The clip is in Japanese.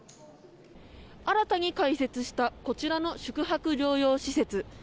新たに開設したこちらの宿泊療養施設